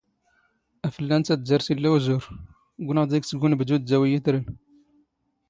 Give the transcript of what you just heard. ⴰⴼⵍⵍⴰ ⵏ ⵜⴰⴷⴷⴰⵔⵜ ⵉⵍⵍⴰ ⵓⵣⵓⵔ; ⴳⵏⵖ ⴷⵉⴳⵙ ⴳ ⵓⵏⴱⴷⵓ ⴷⴷⴰⵡ ⵢⵉⵜⵔⴰⵏ.